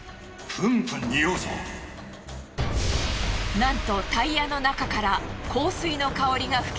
なんとタイヤの中から。